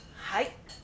はい。